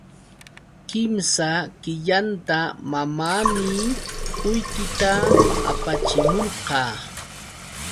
Kimsa killanta mamaanii qullqita apachimuwarqa.